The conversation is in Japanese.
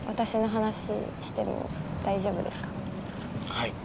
はい。